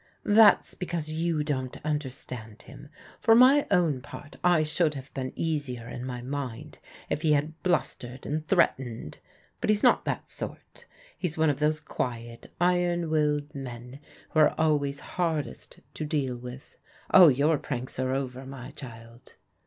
"That's because you don't understand him. For my own part, I should have been easier in my mind if he had I blustered, and threatened. But he's not that sort. He's one of those quiet, iron willed men who are always hard est to deal with. All your pranks are over, my child."